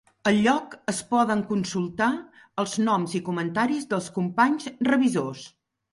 Al lloc es poden consultar els noms i comentaris dels companys revisors.